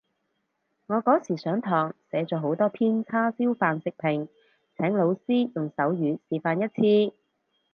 我嗰時上堂寫咗好多篇叉燒飯食評，請老師用手語示範一次